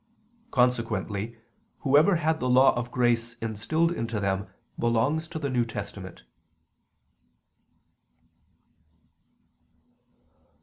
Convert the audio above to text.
Consequently whoever had the law of grace instilled into them belonged to the New Testament.